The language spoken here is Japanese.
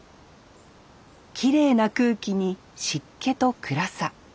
きれいな空気に湿気と暗さ。